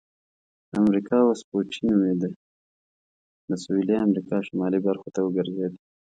امریکا وسپوچې نومیده د سویلي امریکا شمالي برخو ته وګرځېد.